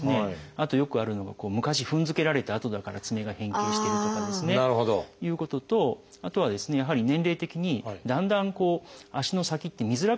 あとよくあるのが昔踏んづけられた跡だから爪が変形してるとかですねということとあとはですねやはり年齢的にだんだん足の先って見づらくなってくるんですね。